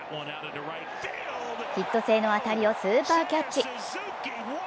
ヒット性の当たりをスーパーキャッチ。